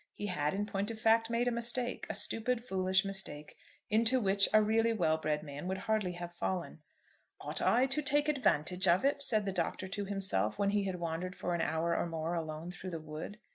He had, in point of fact, made a mistake; a stupid, foolish mistake, into which a really well bred man would hardly have fallen. "Ought I to take advantage of it?" said the Doctor to himself when he had wandered for an hour or more alone through the wood.